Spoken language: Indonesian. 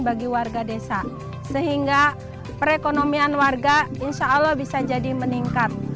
bagi warga desa sehingga perekonomian warga insya allah bisa jadi meningkat